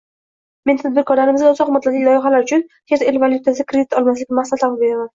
Men tadbirkorlarimizga uzoq muddatli loyihalar uchun chet el valyutasida kredit olmaslikni maslahat beraman